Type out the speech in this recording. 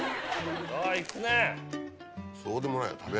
そうです。